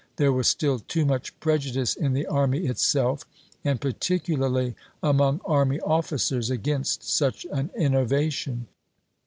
There was still too much prejudice in the army itself, and particularly among army officers, against such an innovation.